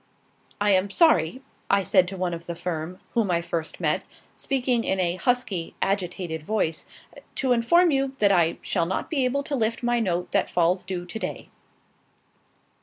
"I am sorry," I said to one of the firm, whom I first met, speaking in a husky, agitated voice, "to inform you that I shall not be able to lift my note that falls due to day."